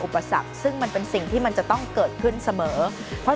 อุปสรรคซึ่งมันเป็นสิ่งที่มันจะต้องเกิดขึ้นเสมอเพราะ